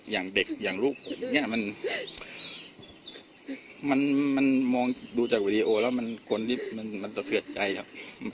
อย่างเด็กอย่างลูกมันมองดูจากวีดีโอแล้วมันสะเซือดใจครับ